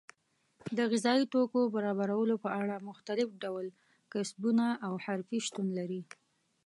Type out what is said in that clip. د غذایي توکو برابرولو په اړه مختلف ډول کسبونه او حرفې شتون لري.